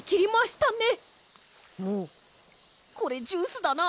もうこれジュースだな。